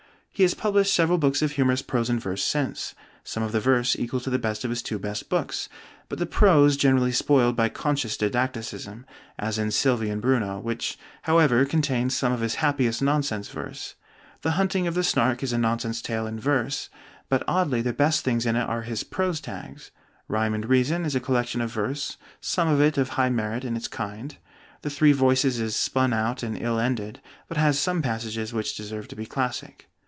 He has published several books of humorous prose and verse since; some of the verse equal to the best of his two best books, but the prose generally spoiled by conscious didacticism, as in 'Sylvie and Bruno,' which however contains some of his happiest nonsense verse. 'The Hunting of the Snark' is a nonsense tale in verse, but oddly the best things in it are his prose tags. 'Rhyme and Reason' is a collection of verse, some of it of high merit in its kind: 'The Three Voices' is spun out and ill ended, but has some passages which deserve to be classic.